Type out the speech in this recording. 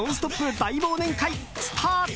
大忘年会スタート！